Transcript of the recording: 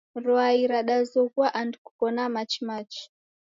Rwai radazoghua andu kuko na machi machi